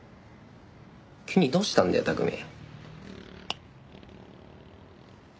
急にどうしたんだよ拓海。